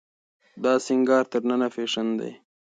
دا سينګار تر ننه فېشن دی.